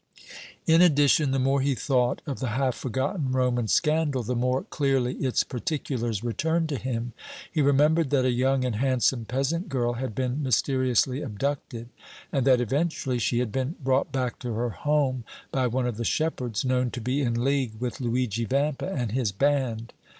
In addition, the more he thought of the half forgotten Roman scandal, the more clearly its particulars returned to him. He remembered that a young and handsome peasant girl had been mysteriously abducted, and that eventually she had been brought back to her home by one of the shepherds known to be in league with Luigi Vampa and his band.